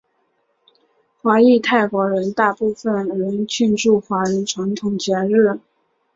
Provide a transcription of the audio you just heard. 华裔泰国人大部分仍庆祝华人传统节日。